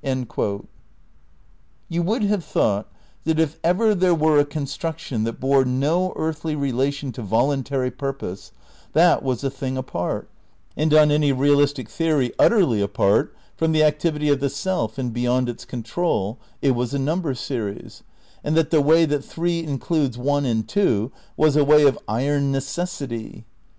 ' You would have thought that if ever there were a construction that bore no earthly relation to voluntary purpose, that was a thing apart, and on any realistic theory utterly apart, from the activity of the self and beyond its control, it was a number series, and that "the way that 3 includes 1 and 2" was a way of iron necessity.